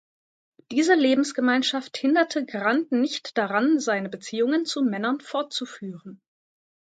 Diese Lebensgemeinschaft hinderte Grant nicht daran, seine Beziehungen zu Männern fortzuführen.